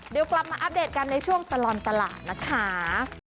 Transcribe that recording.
เดี๋ยวกลับมาอัปเดตกันในช่วงตลอดตลาดนะคะ